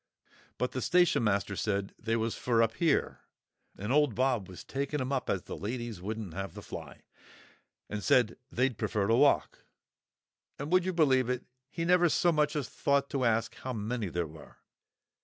But the station master said they was for up here, and old Bob was taking 'em up as the ladies wouldn't have the fly; said they'd pefer to walk. And, would you believe it, he never so much as thought to ask how many there were.